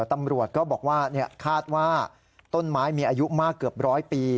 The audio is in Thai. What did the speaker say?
ตำรวจก็บอกว่าคาดว่าต้นไม้มีอายุมากเกือบร้อยปี